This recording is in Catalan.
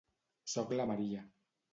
Soc la Maria.